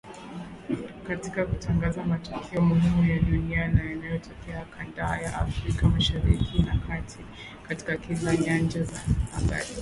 katika kutangaza matukio muhimu ya dunia na yanayotokea kanda ya Afrika Mashariki na Kati, katika kila nyanja ya habari.